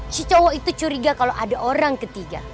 si cowok itu curiga kalau ada orang ketiga